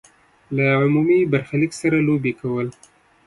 له عمومي برخلیک سره لوبې کول.